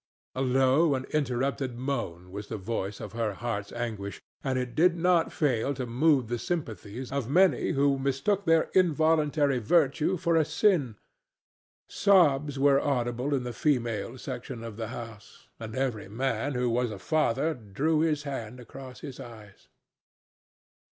A low and interrupted moan was the voice of her heart's anguish, and it did not fail to move the sympathies of many who mistook their involuntary virtue for a sin. Sobs were audible in the female section of the house, and every man who was a father drew his hand across his eyes.